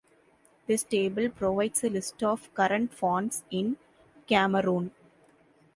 This table provides a list of current Fons in Cameroon.